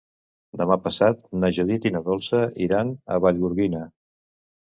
Demà passat na Judit i na Dolça iran a Vallgorguina.